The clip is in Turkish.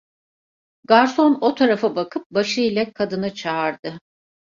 Garson o tarafa bakıp, başı ile kadını çağırdı.